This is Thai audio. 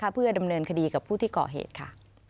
เพื่อดำเนินคดีกับผู้ที่ก่อเหตุค่ะ